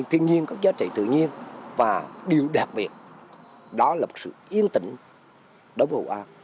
thiên nhiên các giá trị tự nhiên và điều đặc biệt đó là một sự yên tĩnh đối với hội an